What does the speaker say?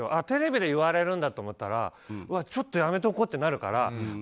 テレビで言われるんだと思ったらちょっとやめておこうとなるから。